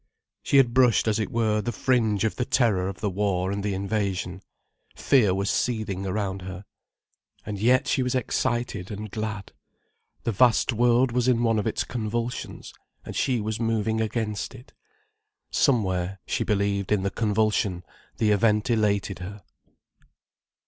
She had brushed, as it were, the fringe of the terror of the war and the invasion. Fear was seething around her. And yet she was excited and glad. The vast world was in one of its convulsions, and she was moving amongst it. Somewhere, she believed in the convulsion, the event elated her.